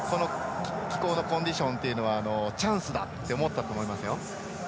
気候のコンディションというのはチャンスだって思ったと思います。